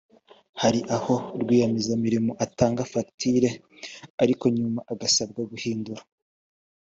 hari aho rwiyemezamirimo atanga fagitire ariko nyuma agasabwa guhindura